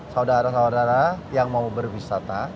saudara saudara yang mau berwisata